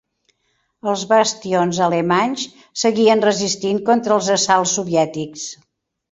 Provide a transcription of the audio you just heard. Els bastions alemanys seguien resistint contra els assalts soviètics.